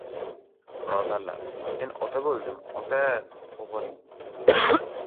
Birodarlar, men ota bo‘ldim, ota! O‘g‘il!